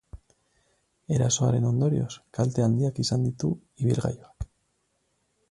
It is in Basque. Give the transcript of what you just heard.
Erasoaren ondorioz, kalte handiak izan ditu ibilgailuak.